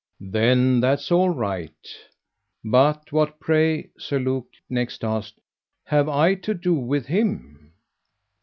"Then that's all right. But what, pray," Sir Luke next asked, "have I to do with him?"